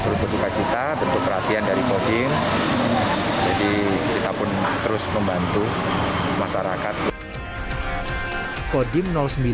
terbuka cita bentuk perhatian dari koding jadi kita pun terus membantu masyarakat kodim sembilan ratus enam